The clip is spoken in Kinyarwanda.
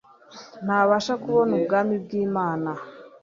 ntabasha kubonubgami bglmana